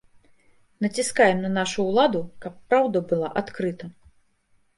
Націскаем на нашу ўладу, каб праўда была адкрыта.